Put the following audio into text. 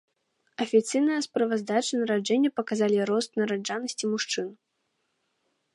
Афіцыйныя справаздачы нараджэння паказалі рост нараджальнасці мужчын.